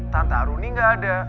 tante aruni enggak ada